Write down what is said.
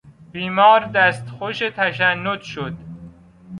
بیمار دستخوش تشنج شد.